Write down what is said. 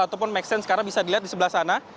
ataupun make sense karena bisa dilihat di sebelah sana